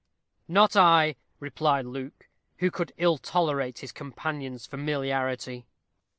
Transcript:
"Not I," replied Luke, who could ill tolerate his companion's familiarity.